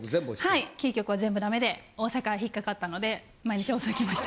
キー局は全部ダメで大阪は引っ掛かったので毎日放送行きました。